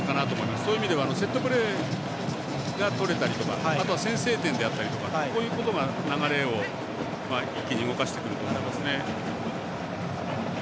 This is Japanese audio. そういう意味ではセットプレーがとれたりとか先制点であったりとかこういうことが流れを一気に動かしてくると思いますね。